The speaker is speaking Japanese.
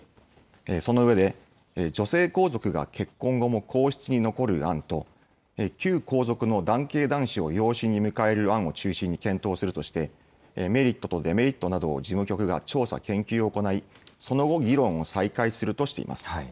その上で、女性皇族が結婚後も皇室に残る案と、旧皇族の男系男子を養子に迎える案を中心に検討するとして、メリットとデメリットなどを事務局が調査・研究を行い、その後、議論を再開するとしています。